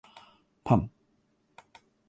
パン